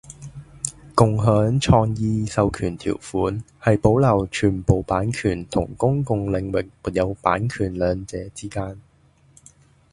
共享創意授權條款係保留全部版權同公共領域沒有版權兩者之間